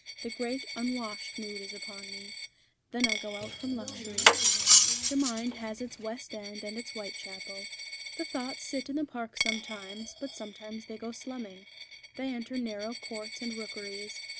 The great unwashed mood is upon me. Then I go out from luxury. The mind has its West End and its Whitechapel. The thoughts sit in the Park sometimes, but sometimes they go slumming. They enter narrow courts and rookeries.